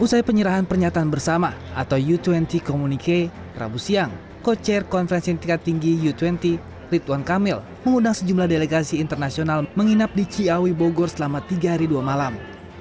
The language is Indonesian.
usai penyerahan pernyataan bersama atau u dua puluh communique rabu siang kocar konferensi tingkat tinggi u dua puluh ridwan kamil mengundang sejumlah delegasi internasional menginap di ciawi bogor selama tiga hari dua malam